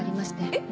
えっ？